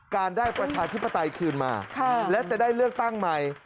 การได้ประชาธิปไตยคืนมาและจะได้เลือกตั้งใหม่